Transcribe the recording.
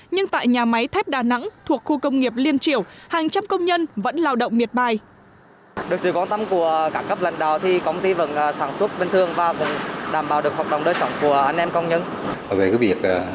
nhưng tại nhà máy thép đà nẵng thuộc khu công nghiệp liên triểu hàng trăm công nhân vẫn lao động miệt bài